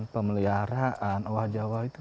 pemeliharaan oha jawa itu